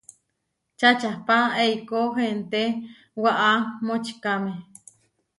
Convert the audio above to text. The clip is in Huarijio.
Čačápa eikó henté waʼa močikáme.